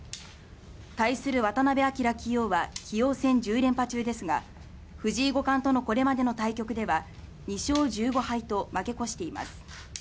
対する渡辺明棋王は棋王戦１０連覇中ですが藤井五冠とのこれまでの対局では２勝１５敗と負け越しています。